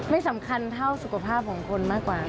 ไม่สำคัญเท่าสุขภาพของคนมากกว่า